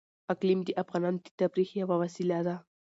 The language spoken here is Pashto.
اقلیم د افغانانو د تفریح یوه وسیله ده.